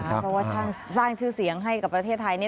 เพราะว่าสร้างชื่อเสียงให้กับประเทศไทย